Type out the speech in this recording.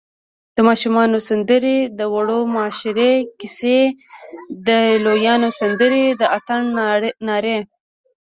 د ماشومانو سندرې، د وړو مشاعرې، کیسی، د لویانو سندرې، د اتڼ نارې